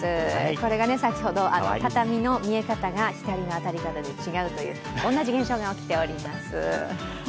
これが先ほど、畳の見え方が光で違うという同じ現象が起きております。